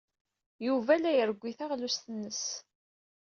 Yuba la irewwi taɣlust-nnes.